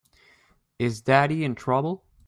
Is Daddy in trouble?